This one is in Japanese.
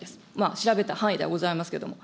調べた範囲ではございますけれども。